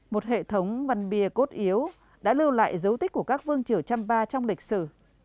một hệ thống văn bia cốt yếu đã lưu lại dấu tích của các vương triều champa trong lịch sử